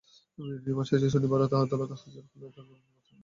Remand শেষে শনিবার আদালতে হাজির করা হলে বিচারক তাঁদের কারাগারে পাঠান।